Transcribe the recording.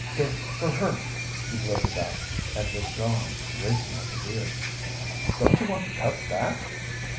"They're for her!" he blurted out, and was gone, racing like a deer. "Don't you want the cup back?"